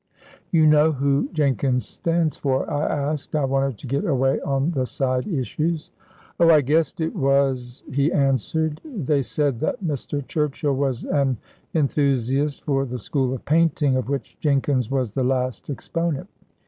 "You know who Jenkins stands for?" I asked. I wanted to get away on the side issues. "Oh, I guessed it was " he answered. They said that Mr. Churchill was an enthusiast for the school of painting of which Jenkins was the last exponent.